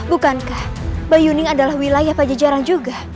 bukankah bayuning adalah wilayah pajajaran juga